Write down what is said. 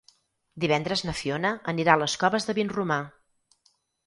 Divendres na Fiona anirà a les Coves de Vinromà.